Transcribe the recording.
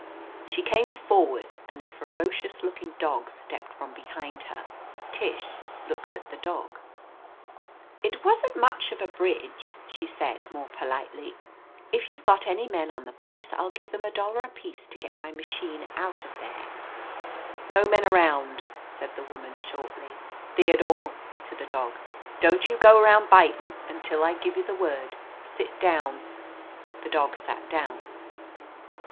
She came forward and a ferocious looking dog stepped from behind her. Tish looked at the dog. "It wasn't much of a bridge," she said, more politely. "If you've got any men on the place I'll give them a dollar apiece to get my machine out of there." 235 THE AMAZING ADVENTURES "No men around," said the woman shortly. "Theodore," — ^to the dog — "don't you go arotmd bitin' until I give you the word. Sit down." The dog sat down.